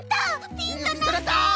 ピンとなった。